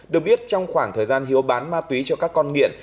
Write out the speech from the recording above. được biết trong khoảng thời gian hiếu bán ma túy cho các con nghiện